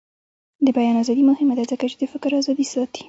د بیان ازادي مهمه ده ځکه چې د فکر ازادي ساتي.